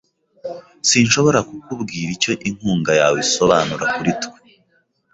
Sinshobora kukubwira icyo inkunga yawe isobanura kuri twe .